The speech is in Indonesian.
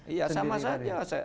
iya sama saja